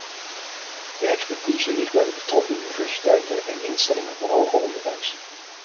De expertise ligt bij de betrokken universiteiten en instellingen voor hoger onderwijs.